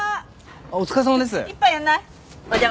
お疲れさまです。